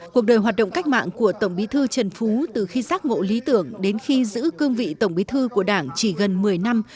cuộc đời hoạt động cách mạng của tổng bí thư trần phú từ khi giác ngộ lý tưởng đến khi giữ cương vị tổng bí thư của đảng chỉ gần một mươi năm